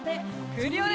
クリオネ！